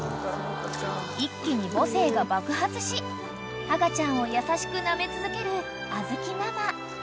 ［一気に母性が爆発し赤ちゃんを優しくなめ続ける小豆ママ］